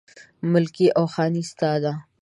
ملکي او خاني ستا ده